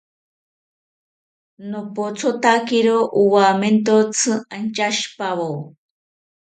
Nopothotakiro owamentotzi antyashipawo